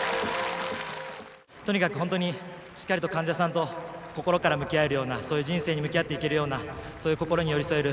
とにかく本当にしっかりと患者さんと心から向き合えるようなそういう人生に向き合っていけるようなそういう心に寄り添える